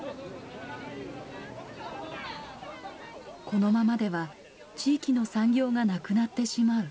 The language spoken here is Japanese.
このままでは地域の産業がなくなってしまう。